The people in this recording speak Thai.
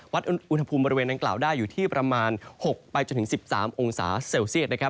วัดอุณหภูมิบริเวณนั้นกล่าวได้อยู่ที่ประมาณ๖๑๓องศาเซลเซียต